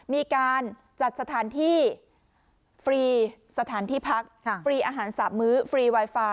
มีการจัดสถานที่ฟรีสถานที่พักฟรีอาหารสาบมื้อฟรีไวฟา